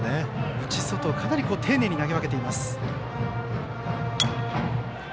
内、外かなり丁寧に投げ分けています。